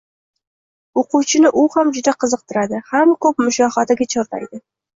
O’quvchini u ham juda qiziqtiradi, ham ko’p mushohadaga chorlaydi.